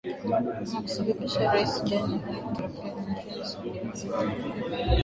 na kusababisha rais ben ali kutorokea nchini saudi arabia